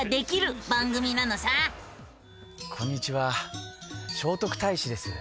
こんにちは聖徳太子です。